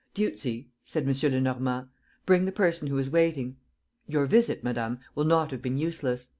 "Dieuzy," said M. Lenormand, "bring the person who is waiting. ... Your visit, madame, will not have been useless.